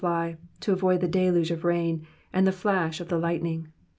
fly, to avoid the delude of rain, and the flash of the lightning.